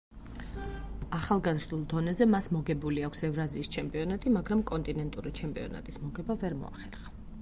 ახალგაზრდულ დონეზე მას მოგებული აქვს ევრაზიის ჩემპიონატი, მაგრამ კონტინენტური ჩემპიონატის მოგება ვერ მოახერხა.